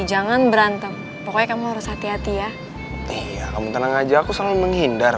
jangan berantem pokoknya kamu harus hati hati ya kamu tenang aja aku selalu menghindar